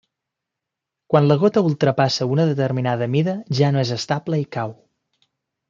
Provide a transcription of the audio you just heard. Quan la gota ultrapassa una determinada mida ja no és estable i cau.